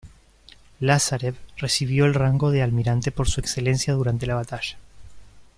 Lázarev recibió el rango de almirante por su excelencia durante la batalla.